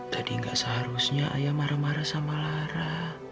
tadi nggak seharusnya ayah marah marah sama lara